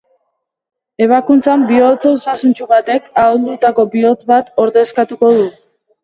Ebakuntzan bihotz osasuntsu batek ahuldutako bihotz bat ordezkatuko du.